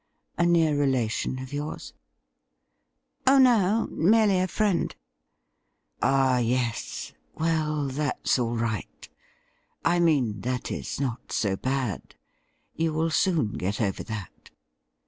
A near relation of yours ?'' Oh no — merely a friend.' ' Ah, yes ; well, that's all right — I mean, that is not so bad. You will soon get over that.'